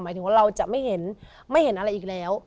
ถึงว่าเราจะไม่เห็นไม่เห็นอะไรอีกแล้ว